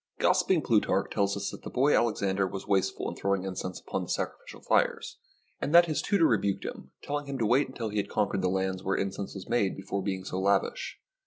Gossiping Plutarch tells us that the boy Alex ander was wasteful in throwing incense upon the sacrificial fires, and that his tutor rebuked him, tell ing him to wait until he had conquered the lands where incense was made before being so lavish.